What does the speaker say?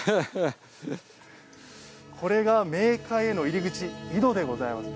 これが冥界への入り口井戸でございます。